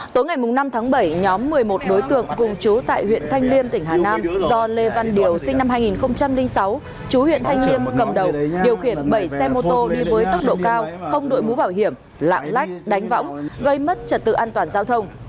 tối ngày năm tháng bảy nhóm một mươi một đối tượng cùng chú tại huyện thanh liêm tỉnh hà nam do lê văn điều sinh năm hai nghìn sáu chú huyện thanh liêm cầm đầu điều khiển bảy xe mô tô đi với tốc độ cao không đội mũ bảo hiểm lạng lách đánh võng gây mất trật tự an toàn giao thông